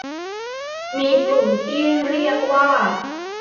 มีกลุ่มที่เรียกว่า